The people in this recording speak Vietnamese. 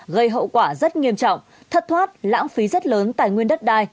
gây hậu quả rất nghiêm trọng thất thoát lãng phí rất lớn tài nguyên đất đai